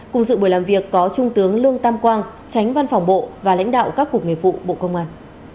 cùng sự buổi làm việc có trung tướng lương tam quang tránh văn phòng bộ và lãnh đạo các cục nghề phụ bộ công an